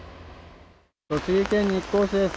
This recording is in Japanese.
栃木県日光市です。